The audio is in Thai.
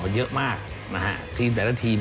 ก็คือคุณอันนบสิงต์โตทองนะครับ